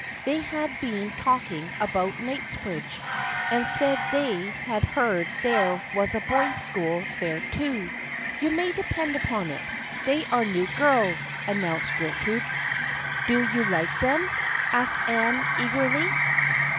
They had been talking about Kingsbridge, and said they had heard there was a boys' school there too. " You may depend upon it they are new girls," announced Gertrude. " Do you like them? " asked Anne, eagerly.